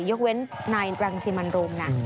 ยกเว้นนายรังสิมันโรมนะ